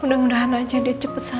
mudah mudahan aja dia cepet sadar ya pak